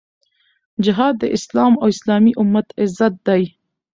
جهاد د اسلام او اسلامي امت عزت دی.